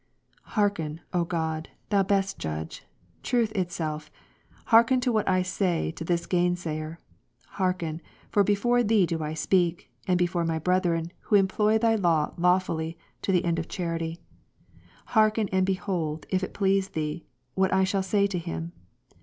Hearken, OGod, Thou best Judge; Truth Itself, hearken ■*' to what I shall say to this gainsayer, hearken, for before Thee do I speak, and before my brethren, who employ Thy lavj lawfulhj, to the end of charity : hearken and behold, if it l Tim. please Thee, what I shall say to him.